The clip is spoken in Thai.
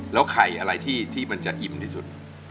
แล้วไข่อะไรที่มันจะอิ่มที่สุด